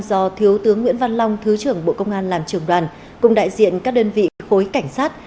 do thiếu tướng nguyễn văn long thứ trưởng bộ công an làm trưởng đoàn cùng đại diện các đơn vị khối cảnh sát